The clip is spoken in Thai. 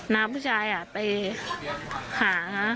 น้าผู้ชายอะไปหาค่ะ